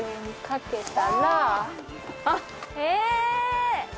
あっへえ！